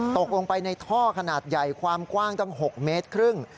ตกลงไปในท่อขนาดใหญ่ความกว้างตั้ง๖เมตรครึ่ง